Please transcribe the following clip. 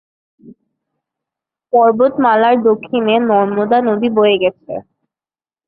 পর্বতমালার দক্ষিণে নর্মদা নদী বয়ে গেছে।